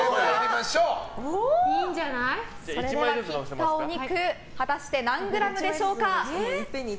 切ったお肉果たして何グラムでしょうか。